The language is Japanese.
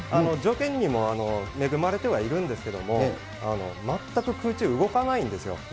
条件にも恵まれてはいるんですけれども、全く空中動かないんですよ。